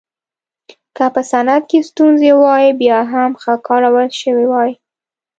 که په صنعت کې ستونزې وای بیا هم ښه کارول شوې وای.